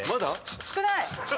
少ない。